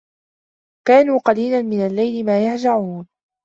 كانوا قَليلًا مِنَ اللَّيلِ ما يَهجَعونَ